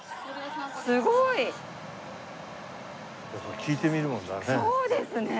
すごい！やっぱ聞いてみるもんだね。